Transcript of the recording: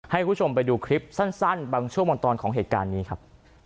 ให้คุณผู้ชมไปดูคลิปสั้นบางช่วงบางตอนของเหตุการณ์นี้ครับ